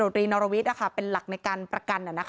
เชี่ยวตีนุรวิทของเซปคร์เป็นหลักในการประกัน